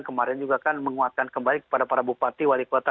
kemarin juga kan menguatkan kembali kepada para bupati wali kota